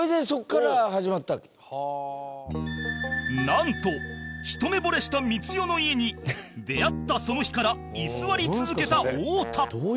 なんとひと目ぼれした光代の家に出会ったその日から居座り続けた太田